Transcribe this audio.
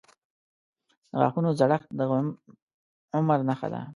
• د غاښونو زړښت د عمر نښه ده.